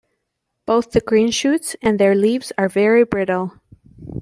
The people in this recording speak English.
Both the green shoots and their leaves are very brittle.